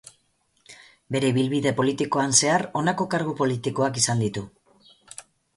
Bere ibilbide politikoan zehar honako kargu politikoak izan ditu